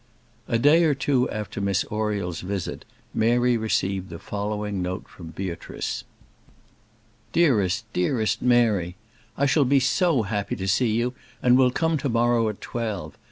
A day or two after Miss Oriel's visit, Mary received the following note from Beatrice. DEAREST, DEAREST MARY, I shall be so happy to see you, and will come to morrow at twelve.